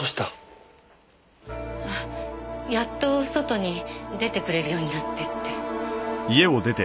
やっと外に出てくれるようになってって。